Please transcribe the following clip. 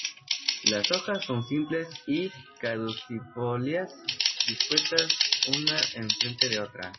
Las hojas son simples y caducifolias, dispuestas una enfrente de otra.